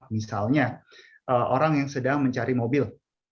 misalnya orang yang sedang mencari mobil